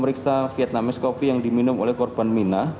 memeriksa vietnam ice coffee yang diminum oleh korban mina